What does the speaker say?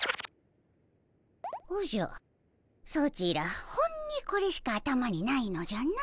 おじゃソチらほんにこれしか頭にないのじゃな。